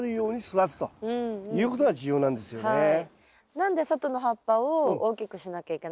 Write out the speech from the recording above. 何で外の葉っぱを大きくしなきゃいけないんですか？